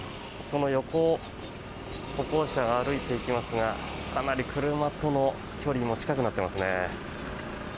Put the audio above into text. その横を歩行者が歩いていきますがかなり車との距離も近くなっていますね。